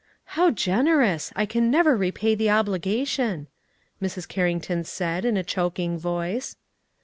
"How generous! I can never repay the obligation," Mrs. Carrington said, in a choking voice.